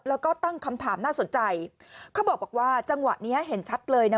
แล้วก็ตั้งคำถามน่าสนใจเขาบอกว่าจังหวะนี้เห็นชัดเลยนะ